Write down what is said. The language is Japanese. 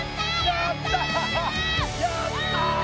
やった！